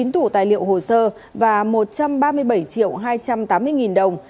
chín tủ tài liệu hồ sơ và một trăm ba mươi bảy triệu hai trăm tám mươi nghìn đồng